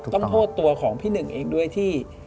โทษตัวของพี่หนึ่งเองด้วยที่